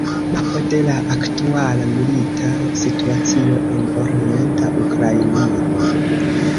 Mapo de la aktuala milita situacio en orienta Ukrainio.